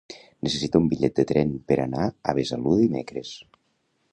Necessito un bitllet de tren per anar a Besalú dimecres.